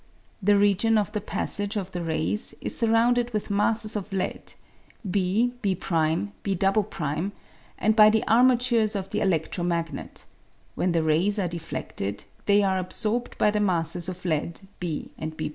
The region of the passage of the rays is surrounded with masses of lead, B, b', b", and by the armatures of the eledro magnet ; when the rays are defleded, they are absorbed by the masses of lead b and b